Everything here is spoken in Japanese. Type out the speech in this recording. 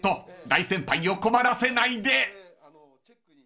大先輩を困らせないで］